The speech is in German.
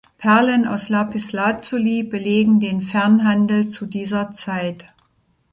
Perlen aus Lapislazuli belegen den Fernhandel zu dieser Zeit.